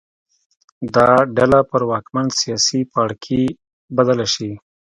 دا ډله پر واکمن سیاسي پاړکي بدله شي.